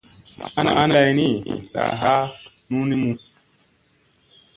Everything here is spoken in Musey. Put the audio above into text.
Ma ana ge lay ni saa ha nunimu.